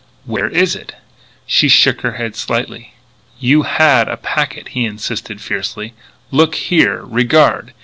"Where is it?" She shook her head slightly. "You had a packet," he insisted fiercely. "Look here! Regard!"